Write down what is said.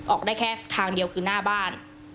ออกได้แค่ทางเดียวคือหน้าบ้าน